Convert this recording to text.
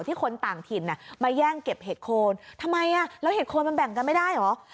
คนต่างถิ่นมาแย่งเก็บเห็ดโคนทำไมอ่ะแล้วเห็ดโคนมันแบ่งกันไม่ได้เหรอ